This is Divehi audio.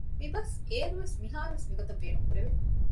މިބަސް އޭރު ވެސް މިހާރު ވެސް މިގޮތަށް ބޭނުންކުރެވެ